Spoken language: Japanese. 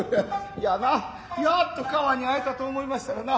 いやなやっと川に逢えたと思いましたらな